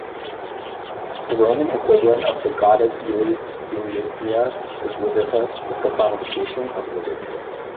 The Roman equivalent of the goddess Eleutheria is Libertas, the personification of liberty.